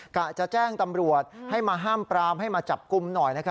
กะจะแจ้งตำรวจให้มาห้ามปรามให้มาจับกลุ่มหน่อย